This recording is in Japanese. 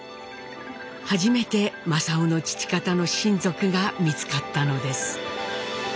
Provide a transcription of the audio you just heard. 初めて正雄の父方の親族が見つかったのです。